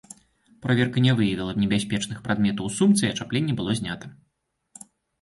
Праверка не выявіла небяспечных прадметаў у сумцы, ачапленне было знята.